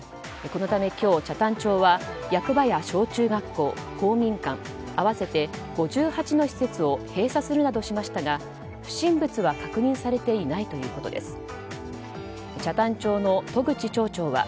このため今日、北谷町は役場は小中学校、公民館合わせて５８の施設を閉鎖するなどしましたが不審物は確認されていないということです。